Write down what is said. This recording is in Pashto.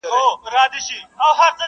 سپی یوازي تر ماښام پوري غپا کړي،